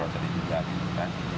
patroli juga itu kan